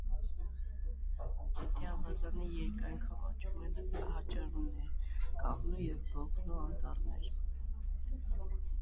Գետի ավազանի երկայնքով աճում են հաճարենու, կաղնու և բոխու անտառներ։